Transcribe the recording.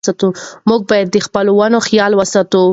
موږ باید د خپلو ونو خیال وساتو.